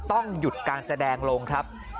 ต้องหยุดการแสดงลงครับ